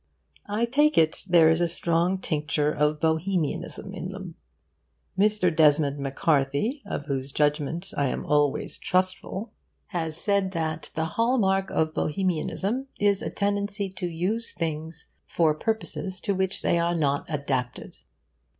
I take it there is a strong tincture of Bohemianism in them. Mr. Desmond MacCarthy, of whose judgment I am always trustful, has said that the hallmark of Bohemianism is a tendency to use things for purposes to which they are not adapted.